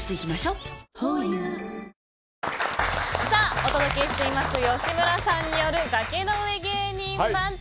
お届けしています吉村さんによる崖の上芸人番付。